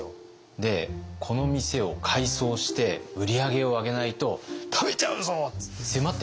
で「この店を改装して売り上げを上げないと食べちゃうぞ！」って迫ってくるんです。